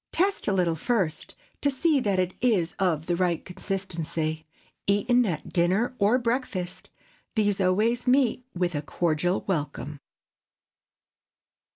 Test a little first, to see that it is of the right consistency. Eaten at dinner or breakfast, these always meet with a cordial welcome.